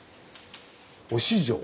「忍城」。